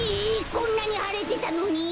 こんなにはれてたのに？